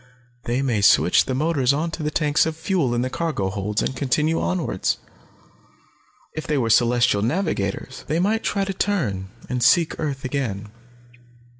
They may switch the motors onto the tanks of fuel in the cargo holds, and continue onwards. If they were celestial navigators, they might try to turn, and seek earth again.